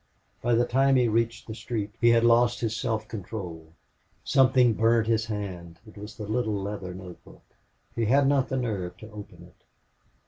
By the time he reached the street he had lost his self control. Something burnt his hand. It was the little leather note book. He had not the nerve to open it.